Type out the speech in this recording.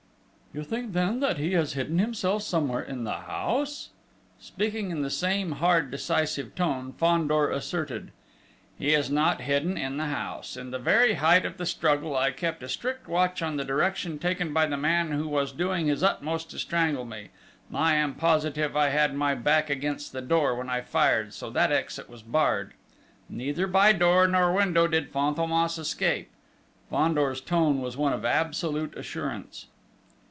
"You think then that he has hidden himself somewhere in the house?" Speaking in the same hard, decisive tone, Fandor asserted: "He is not hidden in the house! In the very height of the struggle, I kept a strict watch on the direction taken by the man who was doing his utmost to strangle me. I am positive I had my back against the door when I fired, so that exit was barred! Neither by door nor window did Fantômas escape!" Fandor's tone was one of absolute assurance.